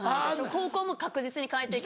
高校も確実に替えていくし。